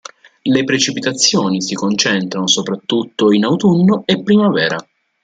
Le precipitazioni si concentrano soprattutto in autunno e primavera.